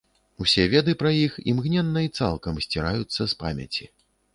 Усе веды пра іх імгненна і цалкам сціраюцца з памяці.